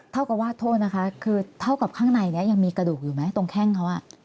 เท่ากับว่าโทษนะคะคือเท่ากับข้างในนี้ยังมีกระดูกอยู่ไหมตรงแข้งเขา